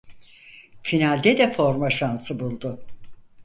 Finalde de forma şansı buldu.